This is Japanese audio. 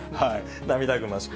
涙ぐましく。